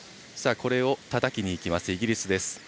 これをたたきに行きますイギリス。